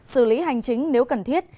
xử lý hành chính nếu cần thiết